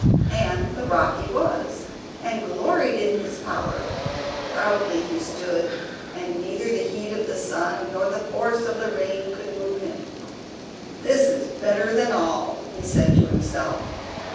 And the rock he was, and gloried in his power. Proudly he stood, and neither the heat of the sun nor the force of the rain could move him. "This is better than all!" he said to himself.